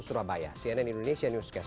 surabaya cnn indonesia newscast